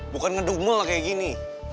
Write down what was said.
bukan ngedumul lah kayak gini